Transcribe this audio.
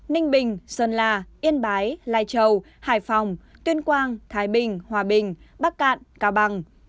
ninh bình sơn la yên bái lai châu hải phòng tuyên quang thái bình hòa bình bắc cạn cao bằng